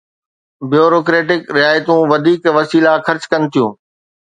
Bureaucratic رعايتون وڌيڪ وسيلا خرچ ڪن ٿيون.